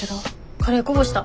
カレーこぼした。